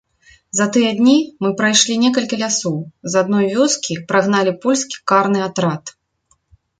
За тыя дні мы прайшлі некалькі лясоў, з адной вёскі прагналі польскі карны атрад.